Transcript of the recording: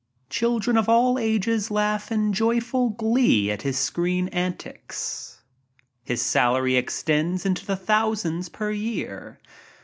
Children of all ages laugh in joyful glee at his screen antics. His salary extends into the thousands per year.